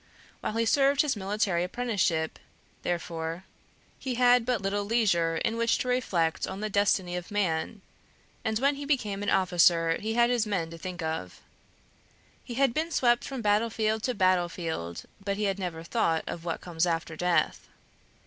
While he served his military apprenticeship, therefore, he had but little leisure in which to reflect on the destiny of man, and when he became an officer he had his men to think of. He had been swept from battlefield to battlefield, but he had never thought of what comes after death.